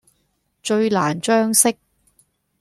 最難將息。